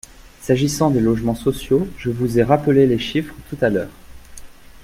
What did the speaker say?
S’agissant des logements sociaux, je vous ai rappelé les chiffres tout à l’heure.